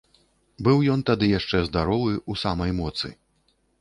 Быў ён тады яшчэ здаровы, у самай моцы.